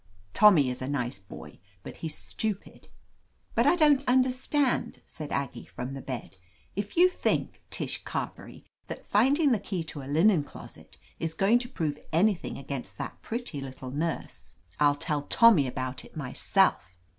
Tommy is a nice boy, but he's stupid." "But I don't understand," said Aggie from the bed. "If you think, Tish Carberiy, that 147 THE AMAZING ADVENTURES finding the key to a linen closet is going to prove anything against that pretty little nurse, I'll tell Tommy about it myself."